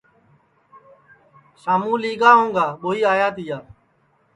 شاموں لیا ہؤگا ٻوئی آیا تیا